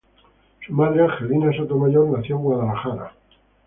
Su madre, Angelina Sotomayor, nació en Guadalajara.